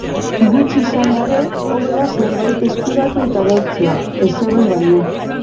Gutxi izanda ere, hobe da zerbait eskuratu edo lortzea, ezer ez baino.